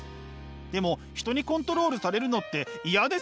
でも人にコントロールされるのって嫌ですよね。